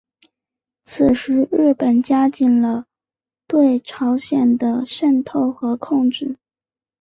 此时日本加紧了对朝鲜的渗透和控制。